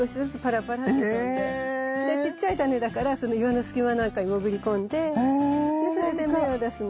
ちっちゃいタネだからその岩の隙間なんかに潜り込んでそれで芽を出すの。